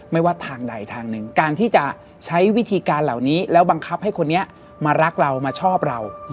ว่าทางใดทางหนึ่งการที่จะใช้วิธีการเหล่านี้แล้วบังคับให้คนนี้มารักเรามาชอบเรา